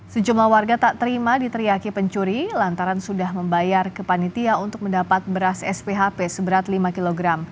sejumlah warga tak terima diteriaki pencuri lantaran sudah membayar ke panitia untuk mendapat beras sphp seberat lima kg